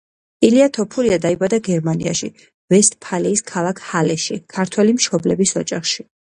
ილია თოფურია დაიბადა გერმანიაში, ვესტფალიის ქალაქ ჰალეში, ქართველი მშობლების ოჯახში.